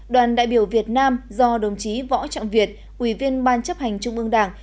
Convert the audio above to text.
đoàn đại biểu việt nam do đồng chí võ trọng việt ủy viên ban chấp hành trung ương đảng